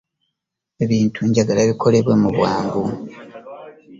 Ebintu njagala bikolebwe mu bwangu.